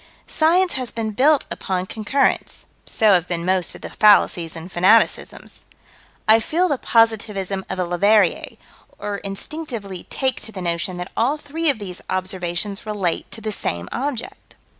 Science has been built upon concurrence: so have been most of the fallacies and fanaticisms. I feel the positivism of a Leverrier, or instinctively take to the notion that all three of these observations relate to the same object.